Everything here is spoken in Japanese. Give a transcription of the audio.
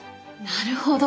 なるほど。